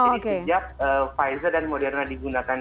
sejak pfizer dan moderna digunakan